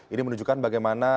ini menunjukkan bagaimana